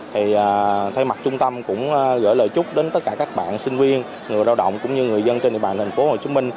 thì thay mặt trung tâm cũng gửi lời chúc đến tất cả các bạn sinh viên người lao động cũng như người dân trên địa bàn tp hcm